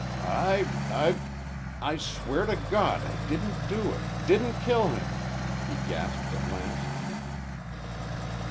"I I I swear to God I didn't do it didn't kill him," he gasped at last.